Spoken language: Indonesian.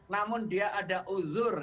namun dia ada uzur